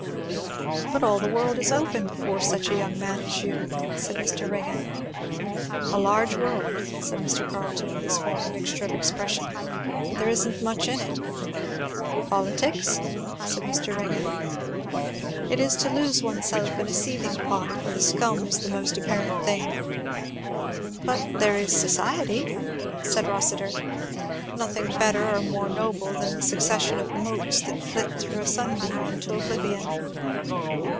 "But all the world is open before such a young man as you," said Mr. Ringgan. "A large world," said Mr. Carleton with his former mixture of expression, "but there isn't much in it." "Politics?" said Mr. Ringgan. "It is to lose oneself in a seething pot, where the scum is the most apparent thing." "But there is society?" said Rossitur. "Nothing better or more noble than the succession of motes that flit through a sunbeam into oblivion."